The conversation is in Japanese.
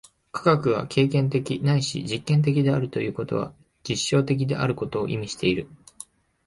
科学が経験的ないし実験的であるということは、実証的であることを意味している。